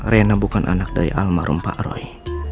rena bukan anak dari almarhum pak roy